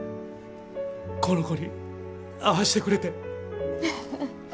この子に会わしてくれて。